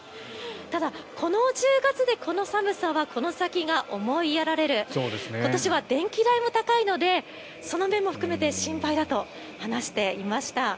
ただ、１０月でこの寒さはこの先が思いやられる今年は電気代も高いのでその面も含めて心配だと話していました。